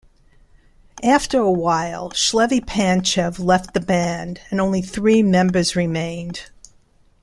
After a while, Shlevi Panchev left the band and only three members remained.